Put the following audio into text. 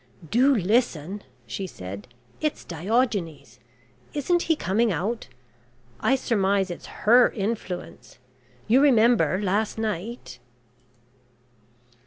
"Do listen," she said, "it's Diogenes. Isn't he coming out? I surmise it's her influence. You remember last night?"